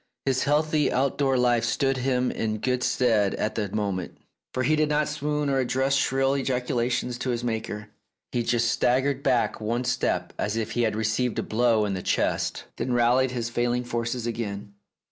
His healthy outdoor life stood him in good stead at that moment, for he did not swoon or address shrill ejaculations to his Maker. He just staggered back one step, as if he had received a blow in the chest, then rallied his failing forces again.